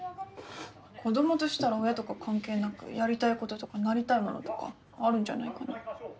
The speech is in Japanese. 子供としたら親とか関係なくやりたいこととかなりたいものとかあるんじゃないかな。